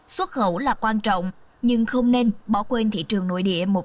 xuất khẩu là quan trọng nhưng không nên bỏ quên thị trường nội địa